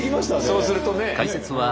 そうするとね。